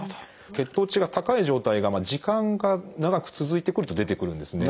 血糖値が高い状態が時間が長く続いてくると出てくるんですね。